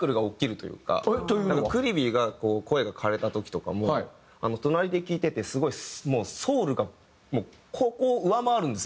ＣＬＩＥＶＹが声がかれた時とかも隣で聴いててすごいソウルがもうここを上回るんですよ。